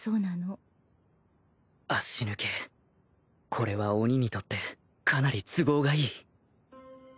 これは鬼にとってかなり都合がいい